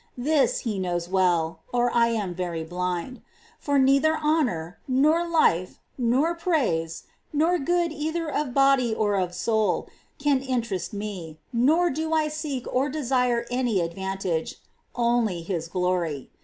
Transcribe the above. This He knows well, or I am very blind ; for neither honour, nor life, nor praise, nor good either of body or of soul, can interest me, nor do I seek or desire any advantage, only His glory.